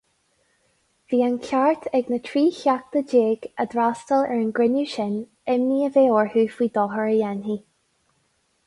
Bhí an ceart ag na trí theachta déag a d'fhreastail ar an gcruinniú sin imní a bheith orthú faoin dochar a dhéanfaí.